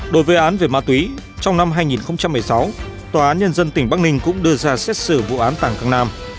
đối với án về ma túy trong năm hai nghìn một mươi sáu tòa án nhân dân tỉnh bắc ninh cũng đưa ra xét xử vụ án tảng thăng nam